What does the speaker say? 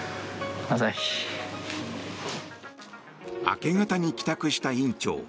明け方に帰宅した院長。